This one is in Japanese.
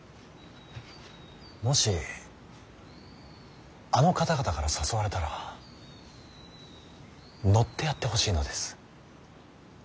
もしあの方々から誘われたら乗ってやってほしいのです。